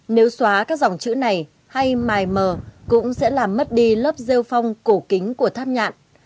nếu xóa các dòng chữ này hay mài mờ cũng sẽ làm mất đi lớp rêu phong cổ kính của tháp nhạn